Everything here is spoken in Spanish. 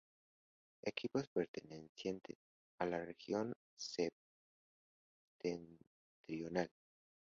Equipos pertenecientes a la Región septentrional.